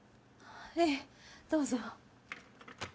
ええどうぞ。